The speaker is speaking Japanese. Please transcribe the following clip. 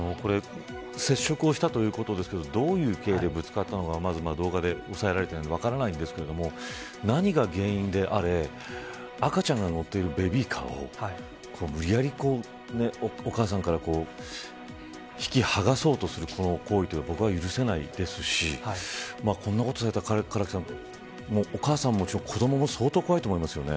接触をしたということですがどういう経緯でぶつかったのか動画で収められていないので分かりませんが何が原因であれ赤ちゃんが乗っているベビーカーを無理やりお母さんから引き離そうとするこの行為を僕は許せないですしこんなことされたら、唐木さんお母さんも子どもも相当怖いですよね。